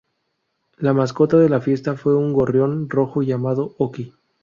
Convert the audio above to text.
La mascota de la fiesta fue un gorrión rojo llamado "Oki".